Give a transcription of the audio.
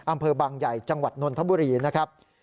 อำเภอบางใหญ่จังหวัดนนทบุรีนะครับ